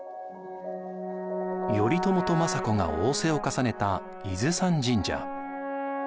頼朝と政子がおうせを重ねた伊豆山神社。